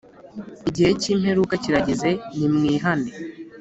Igihe kimperuka kirageze ni mwihane